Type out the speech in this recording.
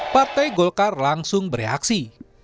partai golkar langsung bereaksi